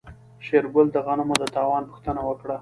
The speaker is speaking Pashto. شېرګل د غنمو د تاوان پوښتنه وکړه.